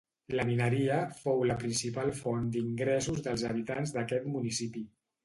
La mineria fou la principal font d'ingressos dels habitants d'aquest municipi.